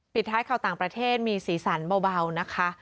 ปิดท้ายข่าวต่างประเทศมีสีสันเบานะคะ